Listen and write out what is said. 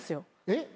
えっ？